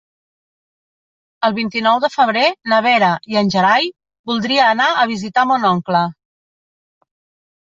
El vint-i-nou de febrer na Vera i en Gerai voldria anar a visitar mon oncle.